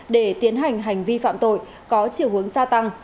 để tiến hành hành vi phạm tội có chiều hướng gia tăng